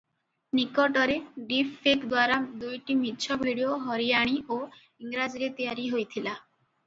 ନିକଟରେ "ଡିପଫେକ"ଦ୍ୱାରା ଦୁଇଟି ମିଛ ଭିଡ଼ିଓ ହରିୟାଣୀ ଓ ଇଂରାଜୀରେ ତିଆରି ହୋଇଥିଲା ।